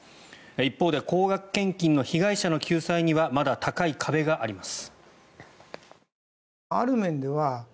一方で高額献金の被害者の救済にはまだ高い壁があります。